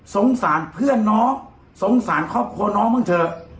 สารเพื่อนน้องสงสารครอบครัวน้องบ้างเถอะ